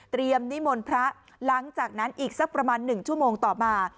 นิมนต์พระหลังจากนั้นอีกสักประมาณ๑ชั่วโมงต่อมา